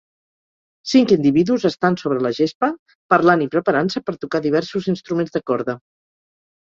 Cinc individus estan sobre la gespa, parlant i preparant-se per tocar diversos instruments de corda.